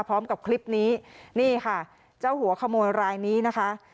พร้อมกับคลิปนี้นี่ค่ะเจ้าหัวขโมยรายนี้นะคะ